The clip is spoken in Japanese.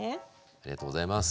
ありがとうございます。